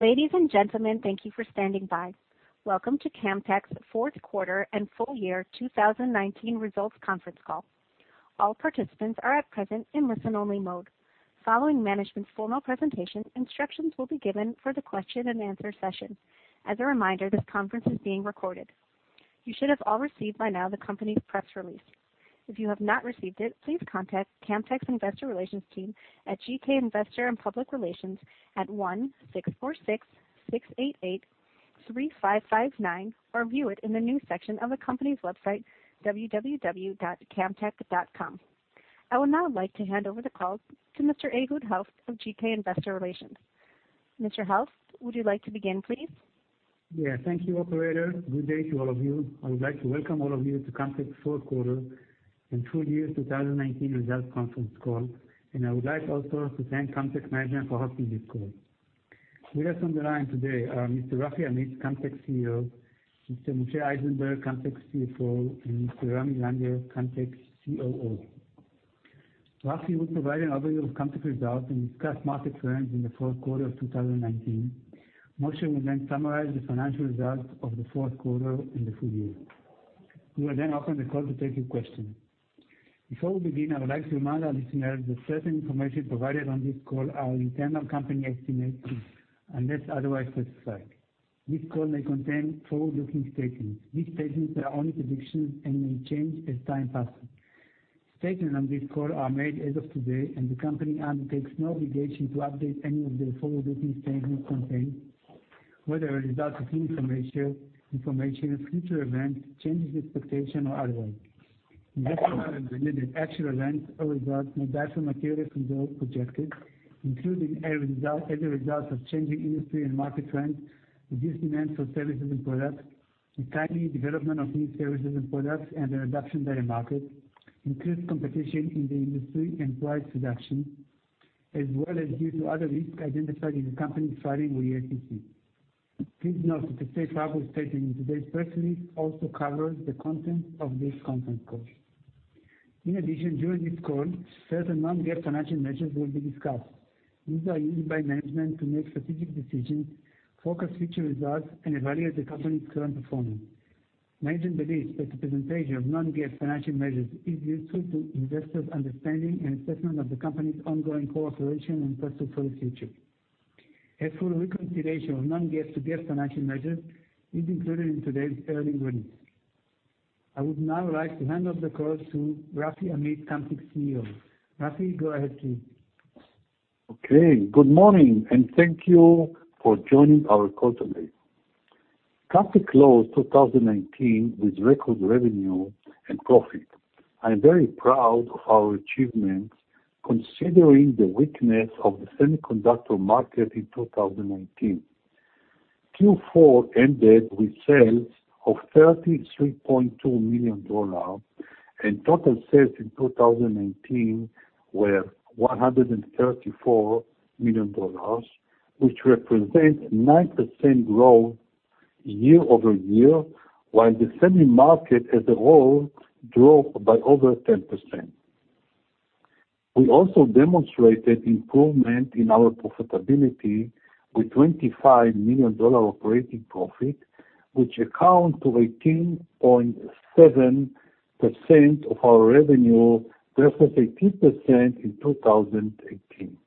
Ladies and gentlemen, thank you for standing by. Welcome to Camtek's fourth quarter and full year 2019 results conference call. All participants are at present in listen-only mode. Following management's formal presentation, instructions will be given for the question-and-answer session. As a reminder, this conference is being recorded. You should have all received by now the company's press release. If you have not received it, please contact Camtek's investor relations team at GK Investor and Public Relations at +1-646-688-3559 or view it in the news section of the company's website, www.camtek.com. I would now like to hand over the call to Mr. Ehud Helft of GK Investor Relations. Mr. Helft, would you like to begin, please? Thank you, operator. Good day to all of you. I would like to welcome all of you to Camtek's fourth quarter and full year 2019 results conference call. I would like also to thank Camtek management for hosting this call. With us on the line today are Mr. Rafi Amit, Camtek CEO; Mr. Moshe Eisenberg, Camtek CFO; and Mr. Ramy Langer, Camtek COO. Rafi will provide an overview of Camtek results and discuss market trends in the fourth quarter of 2019. Moshe will then summarize the financial results of the fourth quarter and the full year. We will then open the call to take your questions. Before we begin, I would like to remind our listeners that certain information provided on this call are internal company estimates unless otherwise specified. This call may contain forward-looking statements. These statements are only predictions and may change as time passes. Statements on this call are made as of today, and the company undertakes no obligation to update any of the forward-looking statements contained, whether as a result of new information, future events, changes in expectation or otherwise. In addition, actual events or results may differ materially from those projected, including as a result of changing industry and market trends, reduced demand for services and products, the timely development of new services and products, and their adoption by the market, increased competition in the industry and price reduction, as well as due to other risks identified in the company's filing with the SEC. Please note that the safe harbor statement in today's press release also covers the content of this conference call. In addition, during this call, certain non-GAAP financial measures will be discussed. These are used by management to make strategic decisions, focus future results, and evaluate the company's current performance. Management believes that the presentation of non-GAAP financial measures is useful to investors' understanding and assessment of the company's ongoing operations and prospects for the future. A full reconciliation of non-GAAP to GAAP financial measures is included in today's earnings release. I would now like to hand off the call to Rafi Amit, Camtek's CEO. Rafi, go ahead, please. Okay. Good morning, and thank you for joining our call today. Camtek closed 2019 with record revenue and profit. I am very proud of our achievements considering the weakness of the semiconductor market in 2019. Q4 ended with sales of $33.2 million, and total sales in 2019 were $134 million, which represent 9% growth year-over-year, while the semi market as a whole dropped by over 10%. We also demonstrated improvement in our profitability with $25 million operating profit, which account to 18.7% of our revenue versus 18% in 2018.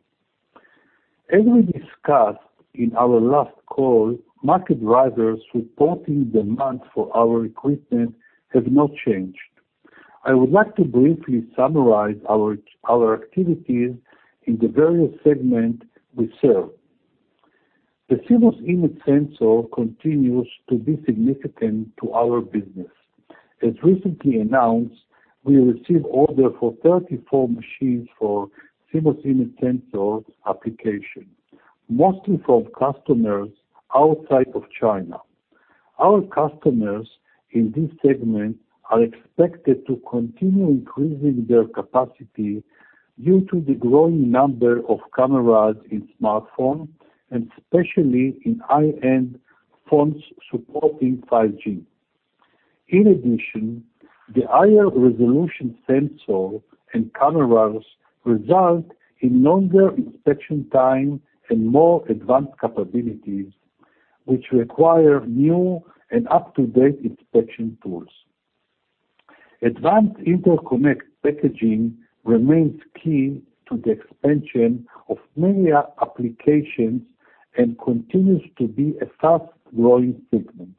As we discussed in our last call, market drivers supporting demand for our equipment have not changed. I would like to briefly summarize our activities in the various segments we serve. The CMOS image sensor continues to be significant to our business. As recently announced, we received orders for 34 machines for CMOS image sensor application, mostly from customers outside of China. Our customers in this segment are expected to continue increasing their capacity due to the growing number of cameras in smartphones and especially in high-end phones supporting 5G. The higher-resolution sensor and cameras result in longer inspection time and more advanced capabilities, which require new and up-to-date inspection tools. Advanced interconnect packaging remains key to the expansion of many applications and continues to be a fast-growing segment.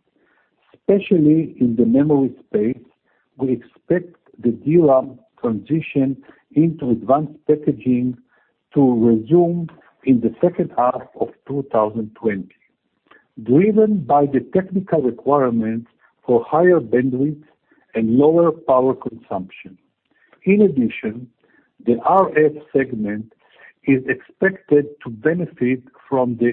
Especially in the memory space, we expect the DRAM transition into advanced packaging to resume in the second half of 2020, driven by the technical requirements for higher bandwidth and lower power consumption. The RF segment is expected to benefit from the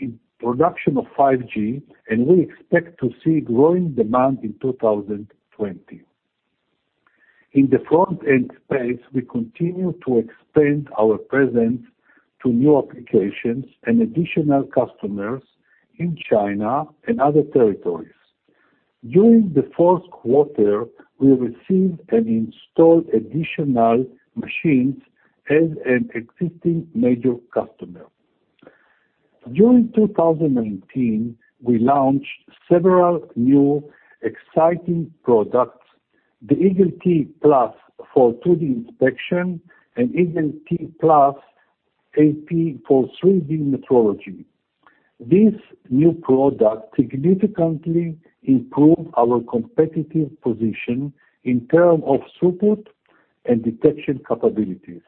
introduction of 5G, and we expect to see growing demand in 2020. In the front-end space, we continue to expand our presence to new applications and additional customers in China and other territories. During the fourth quarter, we received and installed additional machines at an existing major customer. During 2019, we launched several new exciting products, the Eagle-T+ for 2D inspection, and Eagle-AP for 3D metrology. This new product significantly improved our competitive position in terms of support and detection capabilities.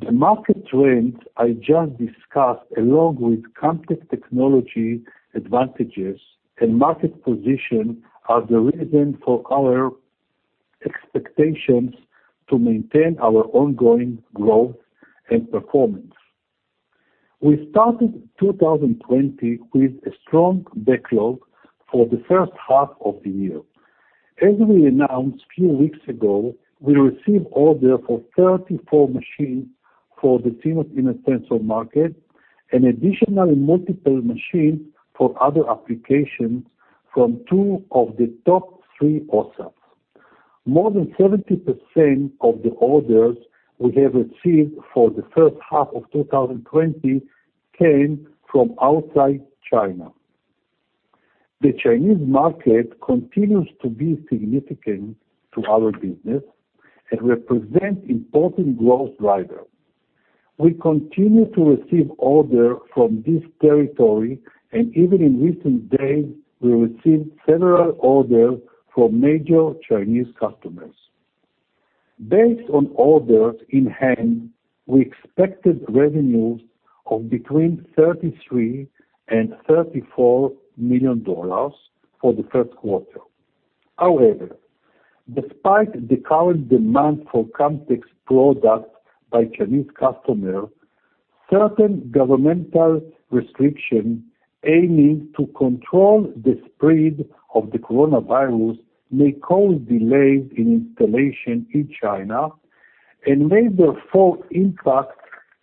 The market trends I just discussed, along with Camtek's technology advantages and market position, are the reason for our expectations to maintain our ongoing growth and performance. We started 2020 with a strong backlog for the first half of the year. As we announced few weeks ago, we received order for 34 machines for the CMOS image sensor market, and additionally, multiple machines for other applications from 2 of the top 3 OSATs. More than 70% of the orders we have received for the first half of 2020 came from outside China. The Chinese market continues to be significant to our business and represents important growth driver. We continue to receive order from this territory, and even in recent days, we received several orders from major Chinese customers. Based on orders in hand, we expected revenues of between $33 million and $34 million for the first quarter. However, despite the current demand for Camtek's products by Chinese customer, certain governmental restrictions aiming to control the spread of the coronavirus may cause delays in installation in China and may therefore impact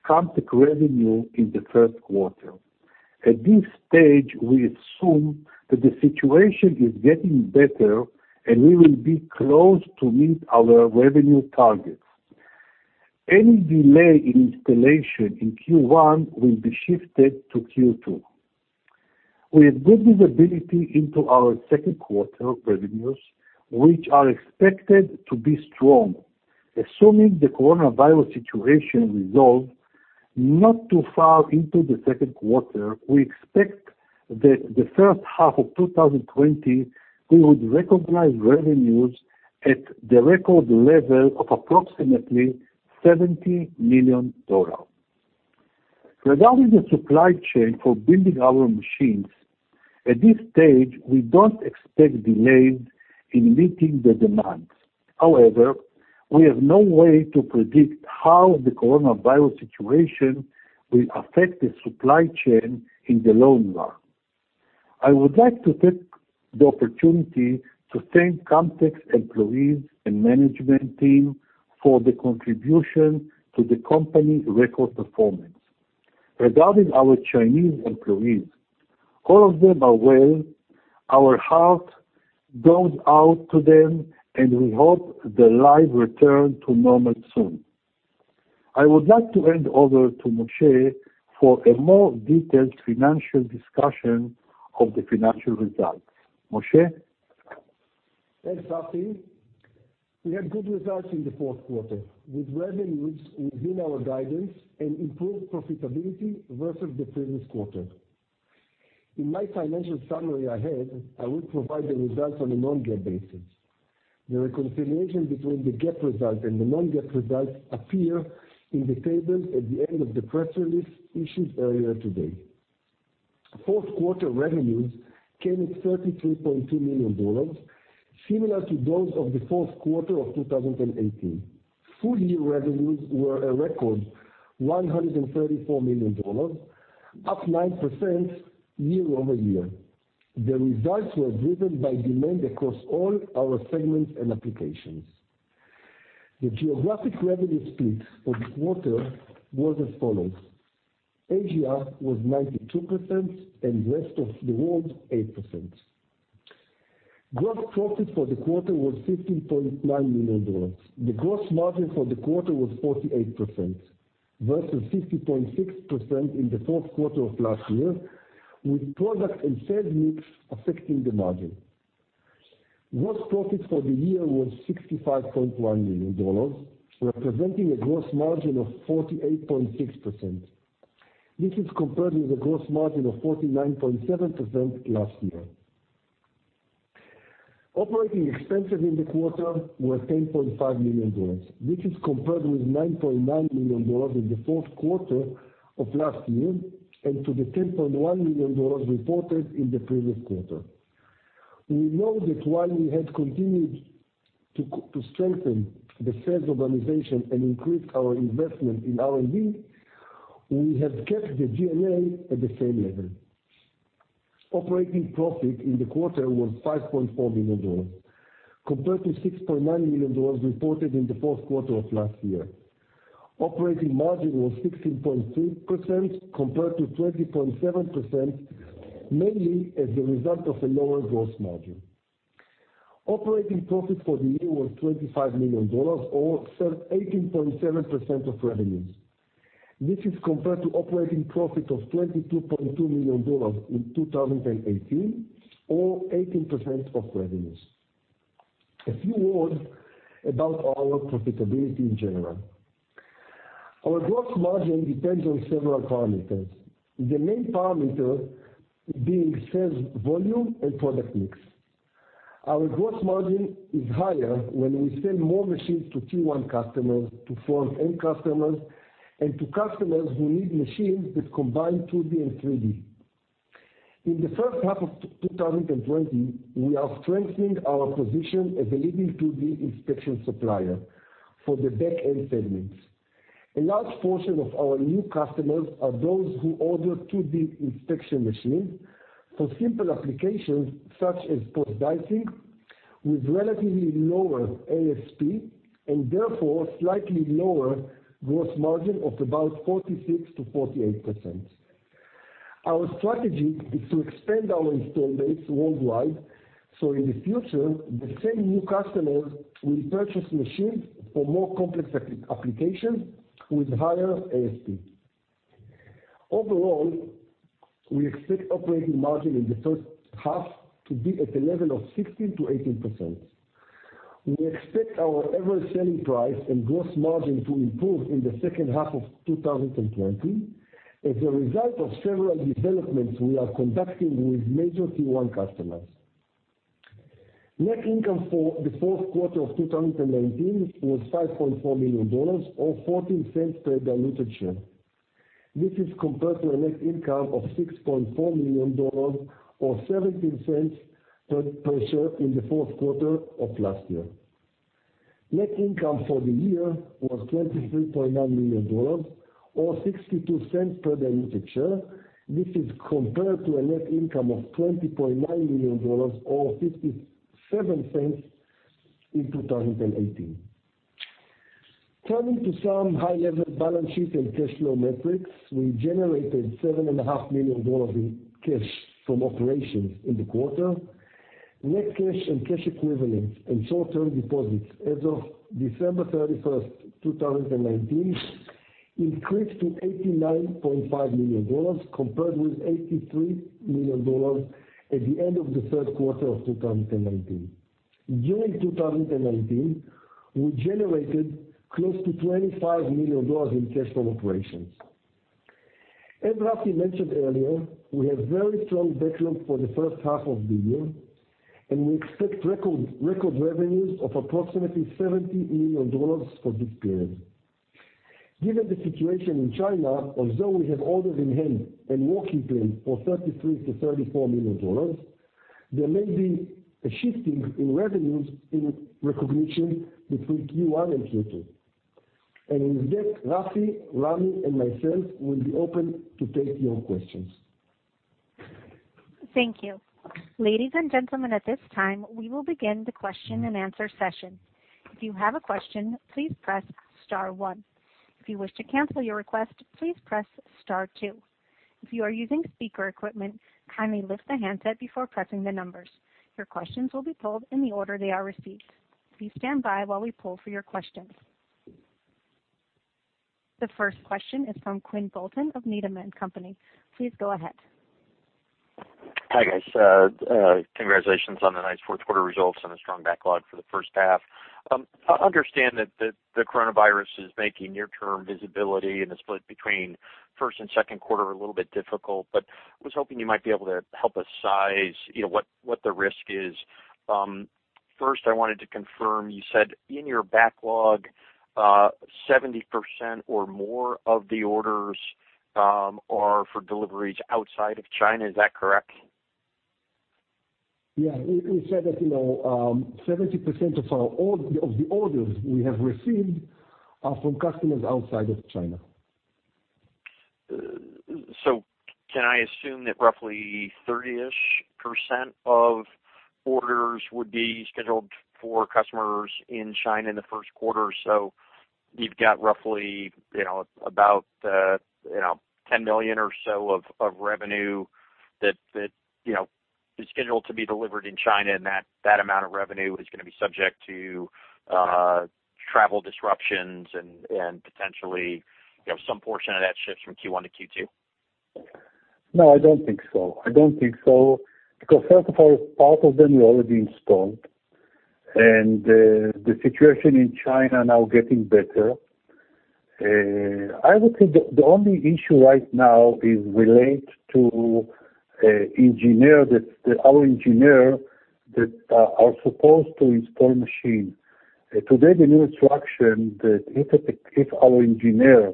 Camtek revenue in the first quarter. At this stage, we assume that the situation is getting better, and we will be close to meet our revenue targets. Any delay in installation in Q1 will be shifted to Q2. We have good visibility into our second quarter revenues, which are expected to be strong. Assuming the coronavirus situation resolved not too far into the second quarter, we expect that the first half of 2020, we would recognize revenues at the record level of approximately $70 million. Regarding the supply chain for building our machines, at this stage, we don't expect delays in meeting the demand. However, we have no way to predict how the coronavirus situation will affect the supply chain in the long run. I would like to take the opportunity to thank Camtek's employees and management team for the contribution to the company record performance. Regarding our Chinese employees, all of them are well. Our heart goes out to them, and we hope their life return to normal soon. I would like to hand over to Moshe for a more detailed financial discussion of the financial results. Moshe? Thanks, Rafi. We had good results in the fourth quarter, with revenues within our guidance and improved profitability versus the previous quarter. In my financial summary ahead, I will provide the results on a non-GAAP basis. The reconciliation between the GAAP results and the non-GAAP results appear in the table at the end of the press release issued earlier today. Fourth quarter revenues came at $33.2 million, similar to those of the fourth quarter of 2018. Full-year revenues were a record $134 million, up 9% year-over-year. The results were driven by demand across all our segments and applications. The geographic revenue split for the quarter was as follows: Asia was 92% and rest of the world, 8%. Gross profit for the quarter was $15.9 million. The gross margin for the quarter was 48%, versus 50.6% in the fourth quarter of last year, with product and sales mix affecting the margin. Gross profit for the year was $65.1 million, representing a gross margin of 48.6%. This is compared with a gross margin of 49.7% last year. Operating expenses in the quarter were $10.5 million, which is compared with $9.9 million in the fourth quarter of last year and to the $10.1 million reported in the previous quarter. We know that while we have continued to strengthen the sales organization and increase our investment in R&D, we have kept the G&A at the same level. Operating profit in the quarter was $5.4 million, compared to $6.9 million reported in the fourth quarter of last year. Operating margin was 16.3% compared to 20.7%, mainly as a result of a lower gross margin. Operating profit for the year was $25 million, or 18.7% of revenues. This is compared to operating profit of $22.2 million in 2018, or 18% of revenues. A few words about our profitability in general. Our gross margin depends on several parameters, the main parameter being sales volume and product mix. Our gross margin is higher when we sell more machines to tier 1 customers, to front-end customers, and to customers who need machines that combine 2D and 3D. In the first half of 2020, we are strengthening our position as a leading 2D inspection supplier for the back-end segments. A large portion of our new customers are those who order 2D inspection machines for simple applications such as post dicing, with relatively lower ASP and therefore slightly lower gross margin of about 46%-48%. Our strategy is to expand our install base worldwide, so in the future, the same new customers will purchase machines for more complex applications with higher ASP. Overall, we expect operating margin in the first half to be at the level of 16%-18%. We expect our average selling price and gross margin to improve in the second half of 2020 as a result of several developments we are conducting with major tier 1 customers. Net income for the fourth quarter of 2019 was $5.4 million or $0.14 per diluted share. This is compared to a net income of $6.4 million or $0.17 per share in the fourth quarter of last year. Net income for the year was $23.9 million or $0.62 per diluted share. This is compared to a net income of $20.9 million or $0.57 in 2018. Turning to some high-level balance sheet and cash flow metrics, we generated $7.5 million in cash from operations in the quarter. Net cash and cash equivalents and short-term deposits as of December 31st, 2019 increased to $89.5 million compared with $83 million at the end of the third quarter of 2019. During 2019, we generated close to $25 million in cash from operations. As Rafi mentioned earlier, we have very strong backlog for the first half of the year. We expect record revenues of approximately $70 million for this period. Given the situation in China, although we have orders in hand and working plan for $33 million-$34 million, there may be a shifting in revenues in recognition between Q1 and Q2. With that, Rafi, Ramy, and myself will be open to take your questions. Thank you. Ladies and gentlemen, at this time, we will begin the question-and-answer session. If you have a question, please press star one. If you wish to cancel your request, please press star two. If you are using speaker equipment, kindly lift the handset before pressing the numbers. Your questions will be pulled in the order they are received. Please stand by while we pull for your questions. The first question is from Quinn Bolton of Needham & Company. Please go ahead. Hi, guys. Congratulations on the nice fourth quarter results and a strong backlog for the first half. I understand that the coronavirus is making near-term visibility and the split between first and second quarter a little bit difficult, but I was hoping you might be able to help us size what the risk is. First, I wanted to confirm, you said in your backlog, 70% or more of the orders are for deliveries outside of China. Is that correct? Yeah. We said that 70% of the orders we have received are from customers outside of China. Can I assume that roughly 30%-ish of orders would be scheduled for customers in China in the first quarter, so you've got roughly about $10 million or so of revenue that is scheduled to be delivered in China, and that amount of revenue is going to be subject to travel disruptions and potentially some portion of that shifts from Q1 to Q2? No, I don't think so. I don't think so because first of all, part of them we already installed, and the situation in China now getting better. I would say the only issue right now is related to our engineer that are supposed to install machine. Today, the new instruction that if our engineer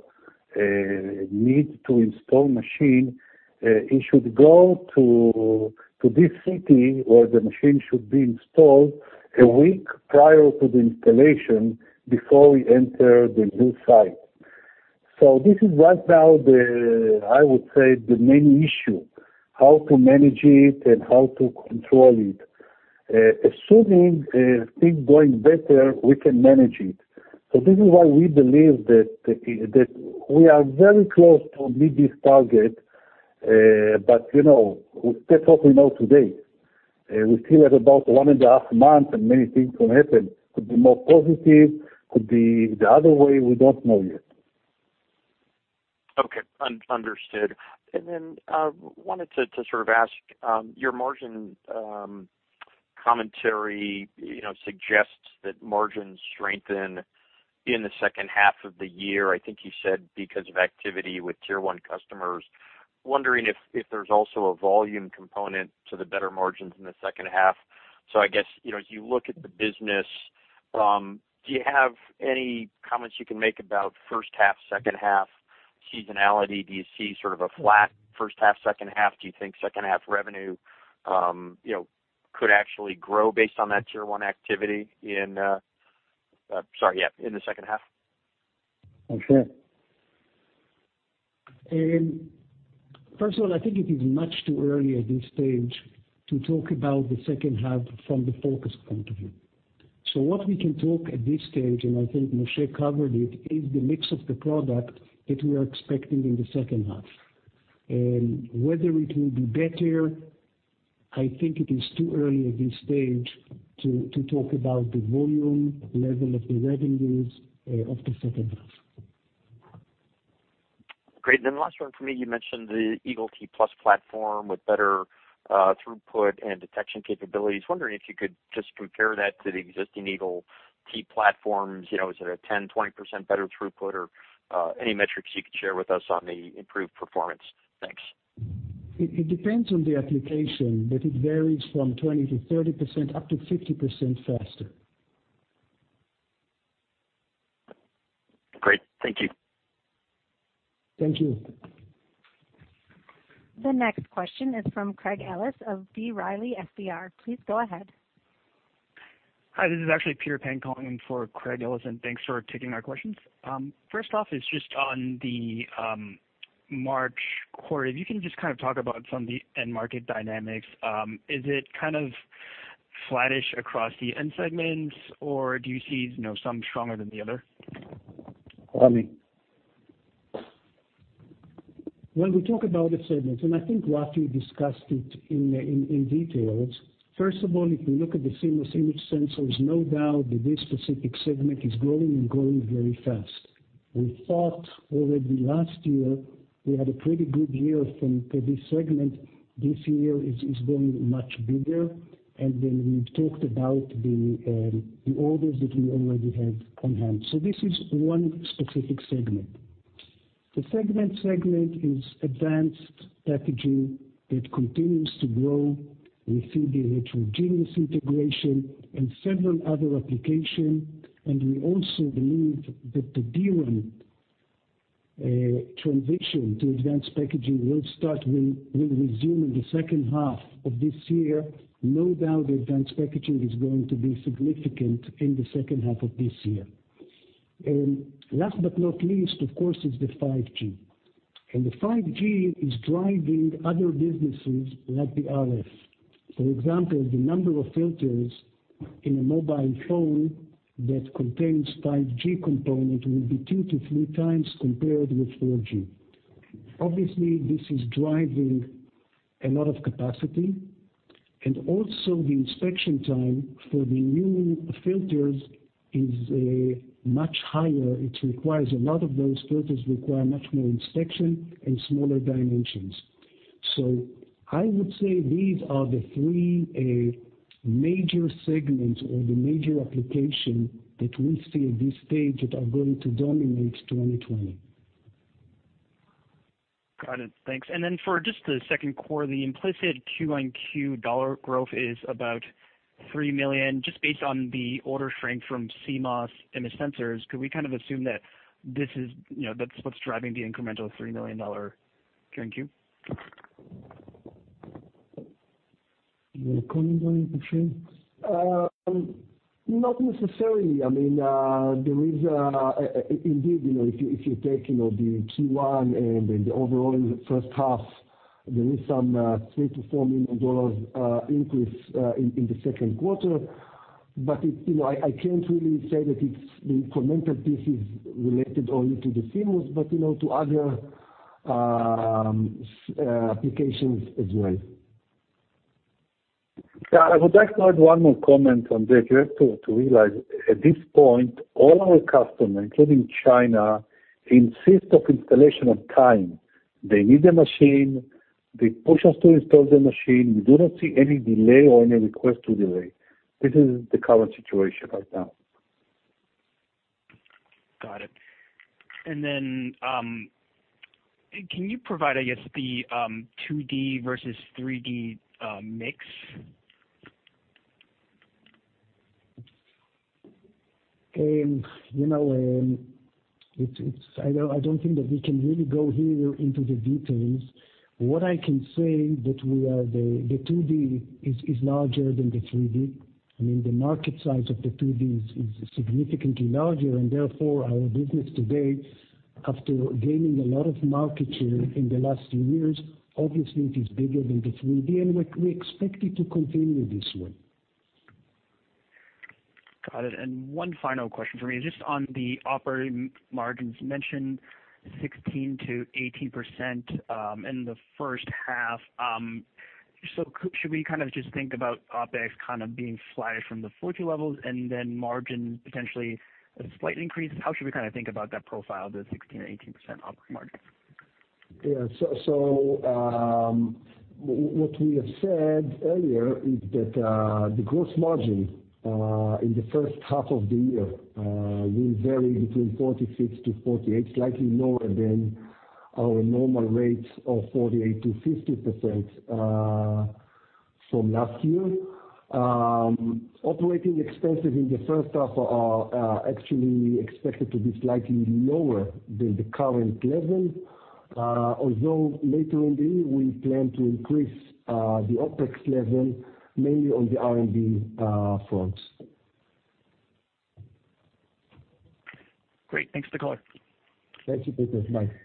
needs to install machine, he should go to this city where the machine should be installed a week prior to the installation before we enter the new site. This is right now, I would say, the main issue, how to manage it and how to control it. Assuming things going better, we can manage it. This is why we believe that we are very close to meet this target, but that's what we know today. We still have about 1.5 months, many things will happen. Could be more positive, could be the other way, we don't know yet. Okay. Understood. Wanted to sort of ask, your margin commentary suggests that margins strengthen in the second half of the year, I think you said, because of activity with tier 1 customers. Wondering if there's also a volume component to the better margins in the second half. I guess, as you look at the business, do you have any comments you can make about first half, second half seasonality? Do you see sort of a flat first half, second half? Do you think second half revenue could actually grow based on that tier 1 activity, yeah, in the second half? I'll say. First of all, I think it is much too early at this stage to talk about the second half from the focus point of view. What we can talk at this stage, and I think Moshe covered it, is the mix of the product that we are expecting in the second half. Whether it will be better, I think it is too early at this stage to talk about the volume, level of the revenues of the second half. Great. Last one from me, you mentioned the Eagle-T+ platform with better throughput and detection capabilities. Wondering if you could just compare that to the existing EagleT platforms. Is it a 10%-20% better throughput or any metrics you could share with us on the improved performance? Thanks. It depends on the application, but it varies from 20%-30%, up to 50% faster. Great. Thank you. Thank you. The next question is from Craig Ellis of B. Riley FBR. Please go ahead. Hi, this is actually Peter Pang calling in for Craig Ellis, and thanks for taking our questions. First off is just on the March quarter. If you can just kind of talk about some of the end market dynamics. Is it kind of flattish across the end segments, or do you see some stronger than the other? When we talk about the segments, I think Rafi discussed it in detail. First of all, if you look at the CMOS image sensors, no doubt that this specific segment is growing and growing very fast. We thought already last year we had a pretty good year from this segment. This year it is going much bigger. We've talked about the orders that we already have on hand. This is one specific segment. The second segment is advanced packaging that continues to grow. We see the heterogeneous integration and several other applications. We also believe that the DRAM transition to advanced packaging will resume in the second half of this year. No doubt advanced packaging is going to be significant in the second half of this year. Last but not least, of course, is the 5G. The 5G is driving other businesses like the RF. For example, the number of filters in a mobile phone that contains 5G component will be two to 3x compared with Q4. Obviously, this is driving a lot of capacity, and also the inspection time for the new filters is much higher. A lot of those filters require much more inspection and smaller dimensions. I would say these are the three major segments or the major application that we see at this stage that are going to dominate 2020. Got it. Thanks. For just the second quarter, the implicit Q1Q dollar growth is about $3 million, just based on the order strength from CMOS image sensors. Could we kind of assume that's what's driving the incremental $3 million Q1Q? Any comment on it, Moshe? Not necessarily. Indeed, if you take the Q1 and the overall first half, there is some $3 million-$4 million increase in the second quarter. I can't really say that it's the incremental piece is related only to the CMOS, but to other applications as well. I would like to add one more comment on that. You have to realize, at this point, all our customers, including China, insist of installation on time. They need the machine. They push us to install the machine. We do not see any delay or any request to delay. This is the current situation right now. Got it. Then, can you provide, I guess, the 2D versus 3D mix? I don't think that we can really go here into the details. What I can say that the 2D is larger than the 3D. I mean, the market size of the 2D is significantly larger, and therefore our business today, after gaining a lot of market share in the last few years, obviously it is bigger than the 3D, and we expect it to continue this way. Got it. One final question for me, just on the operating margins, you mentioned 16%-18% in the first half. Should we just think about OpEx being flattish from the Q4 levels and then margin potentially a slight increase? How should we think about that profile, the 16%-18% operating margins? What we have said earlier is that the gross margin in the first half of the year will vary between 46%-48%, slightly lower than our normal rates of 48%-50% from last year. Operating expenses in the first half are actually expected to be slightly lower than the current level. Although later in the year, we plan to increase the OpEx level, mainly on the R&D front. Great. Thanks for the color. Thank you for this, Peter.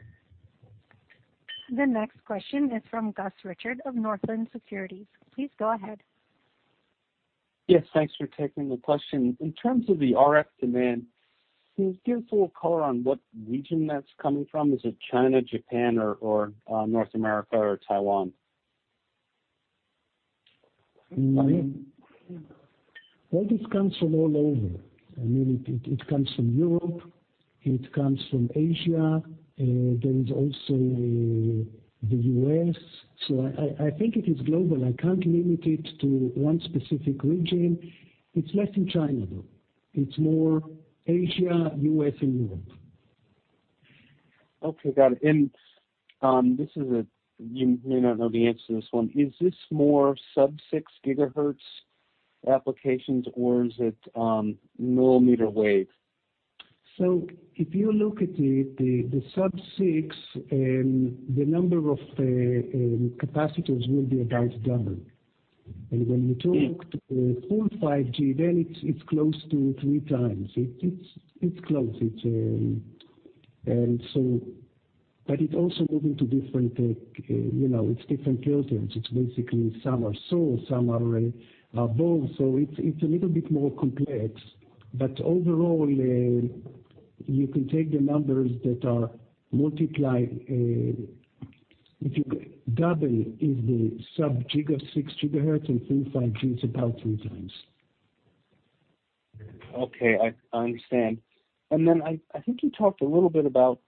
The next question is from Gus Richard of Northland Securities. Please go ahead. Yes, thanks for taking the question. In terms of the RF demand, can you give us a little color on what region that's coming from? Is it China, Japan, or North America, or Taiwan? Well, this comes from all over. I mean, it comes from Europe, it comes from Asia, there is also the U.S. I think it is global. I can't limit it to one specific region. It's less in China, though. It's more Asia, U.S., and Europe. Okay, got it. You may not know the answer to this one. Is this more sub-6 gigahertz applications, or is it millimeter wave? If you look at it, the sub-6, the number of capacitors will be about double. When you talk full 5G, it's close to 3x. It's close. It's also moving to different filters. It's basically some are SAW, some are BAW. It's a little bit more complex. Overall, you can take the numbers that are multiply, if you double in the sub-6 gigahertz, and full 5G it's about 3x. Okay, I understand. I think you talked a little bit about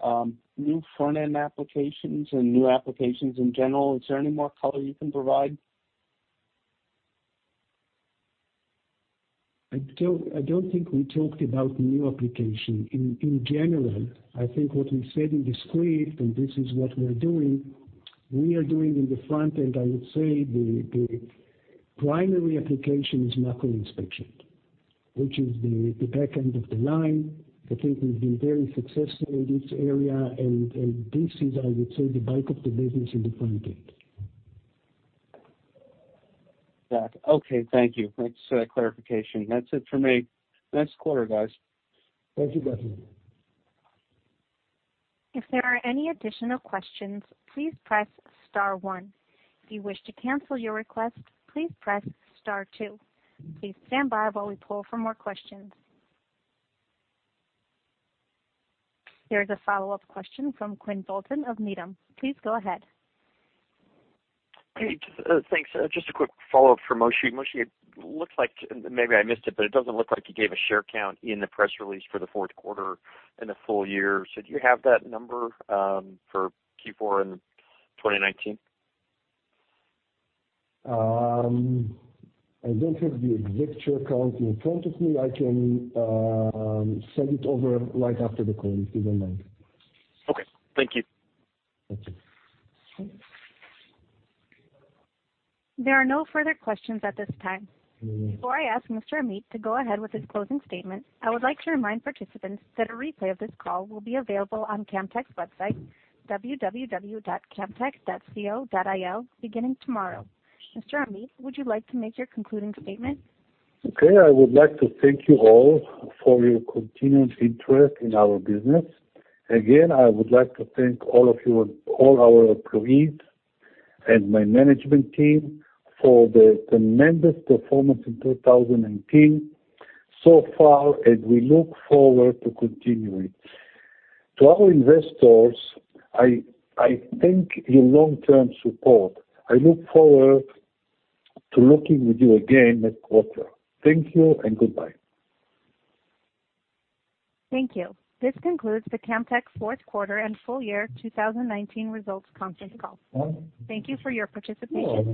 new front-end applications and new applications in general. Is there any more color you can provide? I don't think we talked about new application. In general, I think what we said in the script, and this is what we're doing, we are doing in the front end, I would say the primary application is macro inspection, which is the back end of the line. I think we've been very successful in this area, and this is, I would say, the bulk of the business in the front end. Okay, thank you. Thanks for that clarification. That's it for me. Thanks a quarter, guys. Thank you, Gus. If there are any additional questions, please press star one. If you wish to cancel your request, please press star two. Please stand by while we pull for more questions. There is a follow-up question from Quinn Bolton of Needham. Please go ahead. Great. Thanks. Just a quick follow-up for Moshe. Moshe, maybe I missed it, but it doesn't look like you gave a share count in the press release for the fourth quarter and the full year. Do you have that number for Q4 in 2019? I don't have the exact share count in front of me. I can send it over right after the call, if you don't mind. Okay, thank you. Thank you. There are no further questions at this time. Before I ask Mr. Amit to go ahead with his closing statement, I would like to remind participants that a replay of this call will be available on Camtek's website, www.camtek.co.il, beginning tomorrow. Mr. Amit, would you like to make your concluding statement? Okay. I would like to thank you all for your continued interest in our business. Again, I would like to thank all our employees and my management team for the tremendous performance in 2019 so far, and we look forward to continuing. To our investors, I thank your long-term support. I look forward to looking with you again next quarter. Thank you and goodbye. Thank you. This concludes the Camtek fourth quarter and full year 2019 results conference call. Thank you for your participation.